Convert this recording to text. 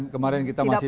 kemarin kita masih